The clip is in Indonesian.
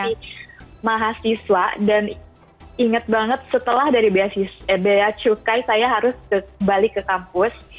saya masih mahasiswa dan ingat banget setelah dari bayacukai saya harus balik ke kampus